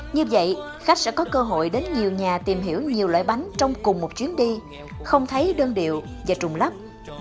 như vậy khách sẽ có cơ hội đến nhiều nhà tìm hiểu nhiều loại bánh trong cùng một chuyến đi không thấy đơn điệu và trùng lắp